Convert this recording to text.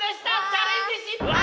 チャレンジ失敗！